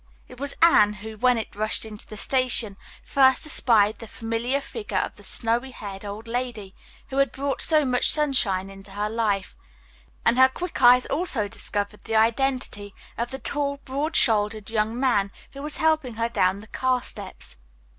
It was Anne who, when it rushed into the station, first espied the familiar figure of the snowy haired old lady who had brought so much sunshine into her life, and her quick eyes also discovered the identity of the tall, broad shouldered young man who was helping her down the car steps.